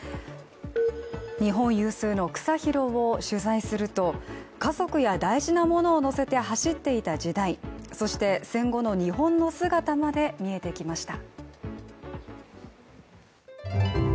日本有数の草ヒロを取材すると家族や大事なものを乗せて走っていた時代、そして戦後の日本の姿まで見えてきました。